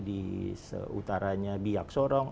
di seutaranya biak sorong